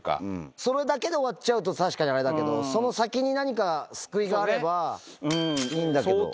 それだけで終わっちゃうと、確かにあれだけど、その先に何か救いがあればいいんだけど。